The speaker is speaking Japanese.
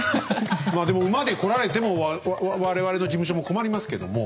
まあでも馬で来られても我々の事務所も困りますけども。